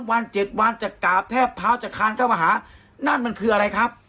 วัน๗วันจะกราบแทบเท้าจะคานเข้ามาหานั่นมันคืออะไรครับ